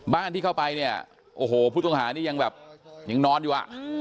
ที่เข้าไปเนี่ยโอ้โหผู้ต้องหานี่ยังแบบยังนอนอยู่อ่ะ